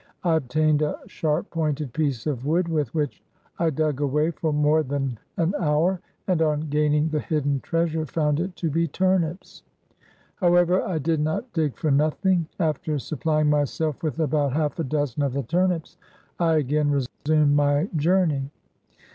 I obtained a sharp pointed piece of wood, with which I dug away for more than an hour, and on gain ing the hidden treasure, found it to be turnips. How ever, I did not dig for nothing. After supplying my self with about half a dozen of the turnips, I again resumed my journey.